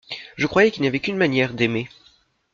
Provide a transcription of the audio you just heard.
Je croyais qu’il n’y avait qu’une manière d’aimer.